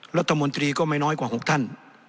รัฐมนตรีก็ไม่น้อยกว่า๖ท่าน